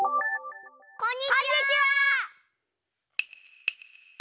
こんにちは！